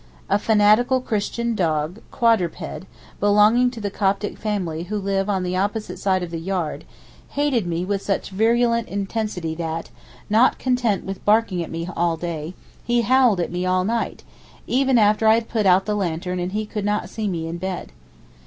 A fanatical Christian dog (quadruped), belonging to the Coptic family who live on the opposite side of the yard, hated me with such virulent intensity that, not content with barking at me all day, he howled at me all night, even after I had put out the lantern and he could not see me in bed.